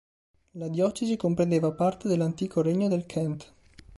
La diocesi comprendeva parte dell'antico regno del Kent.